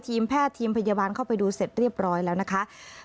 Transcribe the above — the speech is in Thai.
ทีมแพทย์ทีมพยาบาลเข้าไปดูเสร็จเรียบร้อยแล้วนะคะ